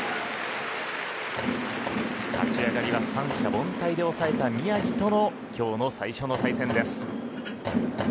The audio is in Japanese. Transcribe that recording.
立ち上がりは三者凡退で抑えた宮城との今日の最初の対戦です。